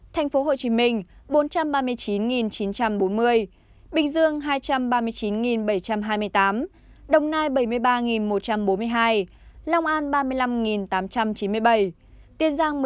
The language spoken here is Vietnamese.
tp hcm bốn trăm ba mươi chín chín trăm bốn mươi bình dương hai trăm ba mươi chín bảy trăm hai mươi tám đồng nai bảy mươi ba một trăm bốn mươi hai long an ba mươi năm tám trăm chín mươi bảy tiên giang một mươi tám bốn trăm chín mươi sáu